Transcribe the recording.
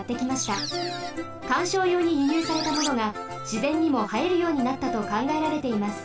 かんしょうようにゆにゅうされたものがしぜんにもはえるようになったとかんがえられています。